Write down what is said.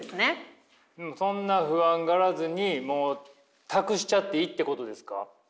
そんな不安がらずにもう託しちゃっていいってことですか？